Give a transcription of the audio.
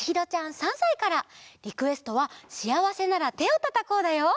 リクエストは「しあわせならてをたたこう」だよ。